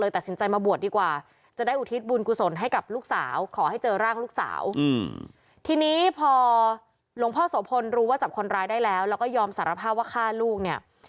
ที่พอหลวงพ่อโสโพนรู้ว่าจับคนร้ายได้แล้วแล้วก็ยอมสารภาพว่าฆ่าลูกเนี่ย